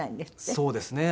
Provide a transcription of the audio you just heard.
そうですね。